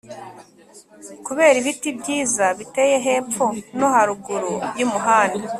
kubera ibiti byiza biteye hepfo no haruguru y’umuhanda.